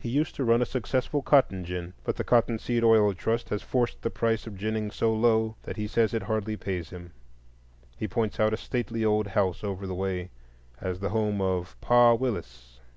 He used to run a successful cotton gin, but the Cotton Seed Oil Trust has forced the price of ginning so low that he says it hardly pays him. He points out a stately old house over the way as the home of "Pa Willis."